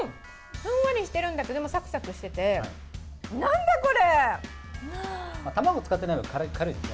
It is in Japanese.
ふんわりしているんだけどでもサクサクしてて、何だこれ！